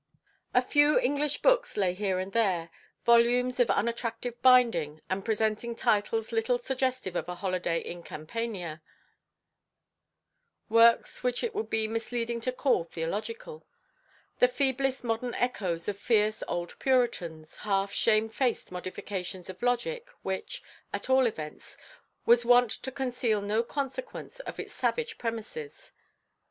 A few English books lay here and there, volumes of unattractive binding, and presenting titles little suggestive of a holiday in Campania; works which it would be misleading to call theological; the feeblest modern echoes of fierce old Puritans, half shame faced modifications of logic which, at all events, was wont to conceal no consequence of its savage premises.